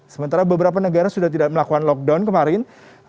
sementara beberapa negara sudah tidak melakukan lockdown kemarin